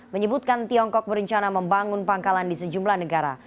menyebutkan tiongkok berencana membangun pangkalan di sejumlah negara